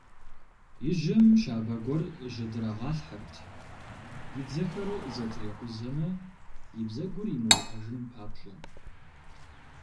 И жьэм щабэ гуэр жьэдрагъалъхьэрт, и дзэхэр зэтрикъузэмэ, и бзэгур имыуӏэжын папщӏэ.